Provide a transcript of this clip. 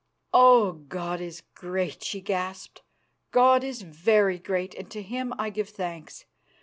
"Oh! God is great!" she gasped. "God is very great, and to Him I give thanks.